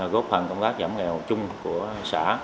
góp phần công tác giảm nghèo chung của xã